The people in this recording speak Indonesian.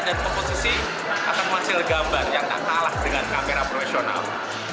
dan komposisi atau menghasil gambar yang tak kalah dengan kamera profesional